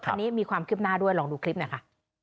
อันนี้มีความคืบหน้าด้วยลองดูคลิปหน่อยค่ะ